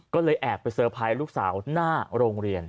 ก็เลยแอบไปเซอร์ไพรส์ลูกสาวหน้าโรงเรียน